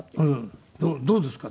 どうですか？